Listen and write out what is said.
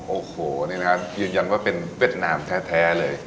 โอ้โหนี่นะครับยืนยันว่าเป็นเวียดนามแท้เลย